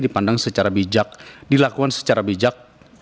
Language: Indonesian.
dipandang secara bijak dilakukan secara bijak